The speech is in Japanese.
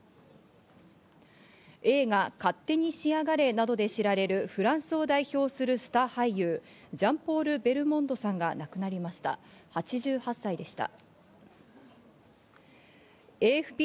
映画『勝手にしやがれ』などで知られるフランスを代表するスター俳優ジャンポール・ベルモンドさんが亡くなりました。